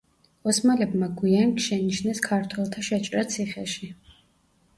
ოსმალებმა გვიან შენიშნეს ქართველთა შეჭრა ციხეში.